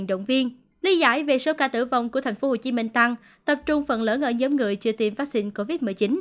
động viên lý giải về số ca tử vong của tp hcm tăng tập trung phần lớn ở nhóm người chưa tiêm vaccine covid một mươi chín